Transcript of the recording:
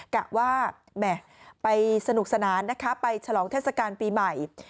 กะว่าแหม่ไปสนุกสนานนะคะไปฉลองเทศกาลปีใหม่